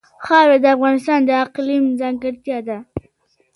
خاوره د افغانستان د اقلیم ځانګړتیا ده.